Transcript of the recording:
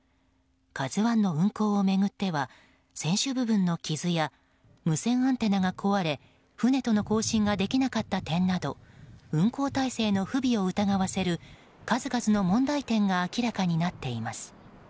「ＫＡＺＵ１」の運航を巡っては船首部分の傷や無線アンテナが壊れ船との交信ができなかった点など運航体制の不備を疑わせる数々の問題点が明らかになっています。